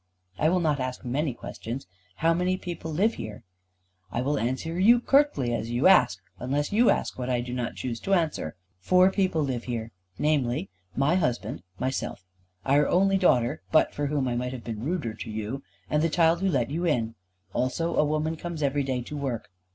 "I will not ask many questions. How many people live here?" "I will answer you curtly as you ask, unless you ask what I do not choose to answer. Four people live here, namely, my husband, myself, our only daughter but for whom I might have been ruder to you and the child who let you in. Also a woman comes every day to work."